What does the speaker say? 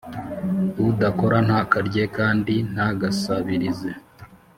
udakora ntakarye kandi ntagasabirize